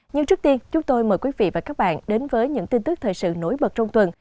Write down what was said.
nhưng trước tiên chúng tôi mời quý vị và các bạn đến với những tin tức thời sự nổi bật trong tuần